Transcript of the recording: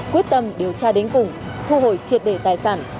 quyết tâm điều tra đến cùng thu hồi triệt để tài sản